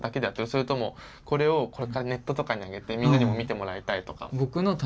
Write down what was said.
それともこれをこれからネットとかにあげてみんなにも見てもらいたいとか。